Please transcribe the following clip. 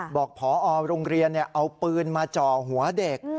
บอกพอโรงเรียนเอาปืนมาจ่อหัวเด็ก